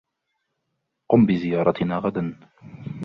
قُم بزيارتنا غداً.